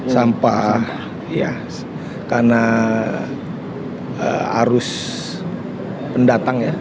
sampah ya karena arus pendatang ya